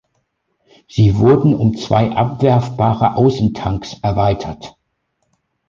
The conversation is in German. Sie wurden um zwei abwerfbare Außentanks erweitert.